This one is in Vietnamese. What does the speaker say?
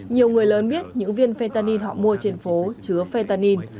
nhiều người lớn biết những viên fentanyl họ mua trên phố chứa fentanyl